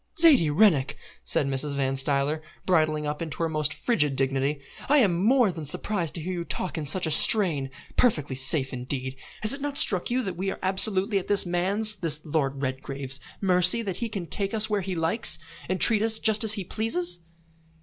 "Zaidie Rennick!" said Mrs. Van Stuyler, bridling up into her most frigid dignity, "I am more than surprised to hear you talk in such a strain. Perfectly safe, indeed! Has it not struck you that we are absolutely at this man's this Lord Redgrave's, mercy, that he can take us where he likes, and treat us just as he pleases?"